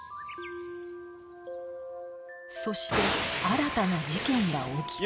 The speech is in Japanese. そして新たな事件が起きた